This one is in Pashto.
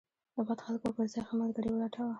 د بد خلکو پر ځای ښه ملګري ولټوه.